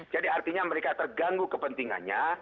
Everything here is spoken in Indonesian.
jadi artinya mereka terganggu kepentingannya